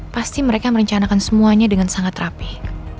pasti mereka merencanakan semuanya dengan sangat rapih